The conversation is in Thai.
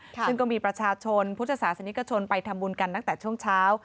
ซึ่งก็มีประชาชนพุทธศาสนิกชนไปทำบุญกันตั้งแต่ช่วงเช้า